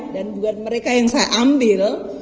dan buat mereka yang saya ambil